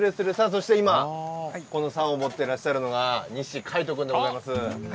そして、サオを持ってらっしゃるのが西海斗君でございます。